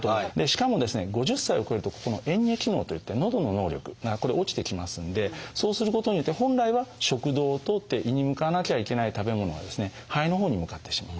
しかもですね５０歳を超えるとここの嚥下機能といってのどの能力がこれ落ちてきますんでそうすることによって本来は食道を通って胃に向かわなきゃいけない食べ物がですね肺のほうに向かってしまう。